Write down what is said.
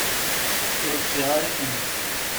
Ur ččiɣ ara imensi.